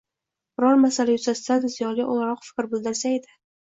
Biror masala yuzasidan ziyoli o‘laroq fikr bildirsa edi.